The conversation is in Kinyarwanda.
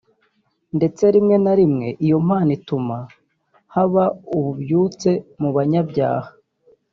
ndetse rimwe na rimwe iyo mpano ituma haba ububyutse mu banyabyaha